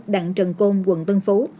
đặng trần côn quận tân phú